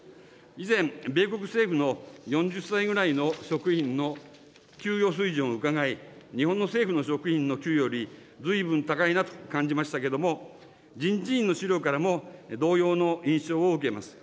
以前、米国政府の４０歳ぐらいの職員の給与水準を伺い、日本の政府の職員の給与よりずいぶん高いなと感じましたけれども、人事院の資料からも同様の印象を受けます。